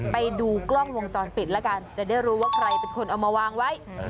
ไปดูกล้องวงจรปิดแล้วกันจะได้รู้ว่าใครเป็นคนเอามาวางไว้